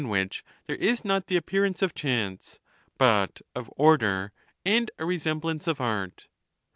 which there is not the appearance of chance, but of order and a resemblance of art.